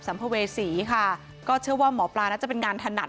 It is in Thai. ภเวษีค่ะก็เชื่อว่าหมอปลาน่าจะเป็นการถนัด